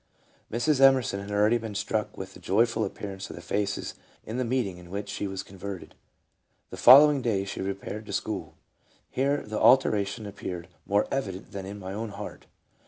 Mrs. Emerson had already been struck with the joyful appearance of the faces in the meeting in which she was converted. The following day she repaired to school :" Here the alteration appeared more evident than in my own heart.